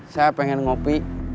saya pengen kopi